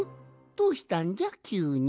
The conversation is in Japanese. どうしたんじゃきゅうに。